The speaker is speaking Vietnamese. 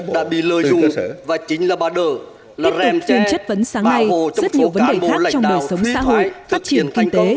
tiếp lottem phiên chất vấn sáng nay rất nhiều vấn đề khác trong đời sống xã hội phát triển kinh tế